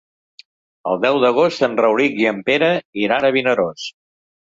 El deu d'agost en Rauric i en Pere iran a Vinaròs.